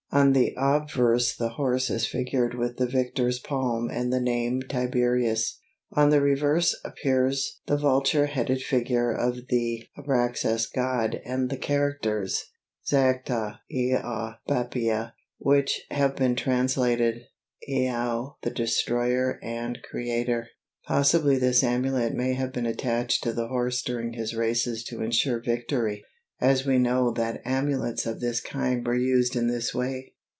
On the obverse the horse is figured with the victor's palm and the name Tiberis; on the reverse appears the vulture headed figure of the Abraxas god and the characters, "ZACTA IAW BAPIA," which have been translated, "Iao the Destroyer and Creator." Possibly this amulet may have been attached to the horse during his races to insure victory, as we know that amulets of this kind were used in this way.